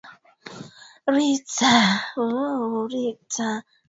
mkulima anashauriwa kutumkia trekta kuhakisha udongo umetifuliwa vizuri